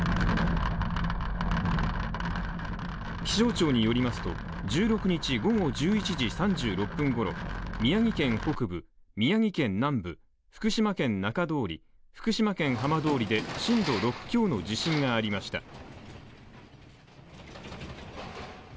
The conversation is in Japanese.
気象庁によりますと１６日午後１１時３６分頃、宮城県北部宮城県南部、福島県中通り、福島県浜通りで震度６強の地震がありました。